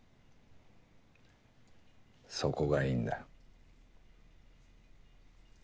そこがいいんだ。